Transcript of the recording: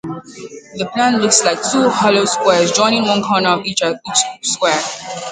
The plan looks like two hollow squares joining one corner of each square.